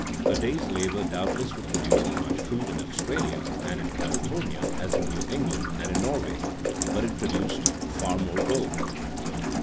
A day's labor doubtless would produce as much food in Australia and in California as in New England and in Norway, but it produced far more gold.